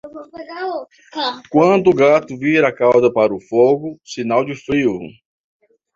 Quando o gato vira a cauda para o fogo, sinal de frio.